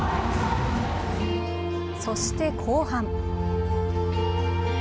そして後半。